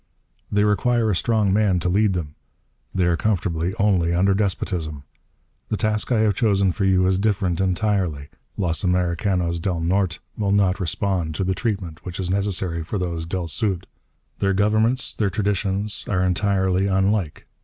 They require a strong man to lead them. They are comfortable only under despotism. The task I have chosen for you is different, entirely. Los Americanos del Norte will not respond to the treatment which is necessary for those del Sud. Their governments, their traditions, are entirely unlike.